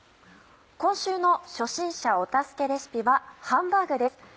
今週の初心者お助けレシピは「ハンバーグ」です。